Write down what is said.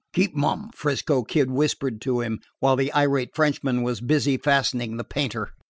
"Keep mum," 'Frisco Kid whispered to him while the irate Frenchman was busy fastening the painter.